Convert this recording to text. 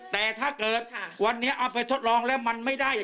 แต่ถ้าเกิดวันนี้เอาไปทดลองแล้วมันไม่ได้